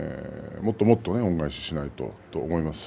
もっともっと恩返ししなきゃいけないと思います。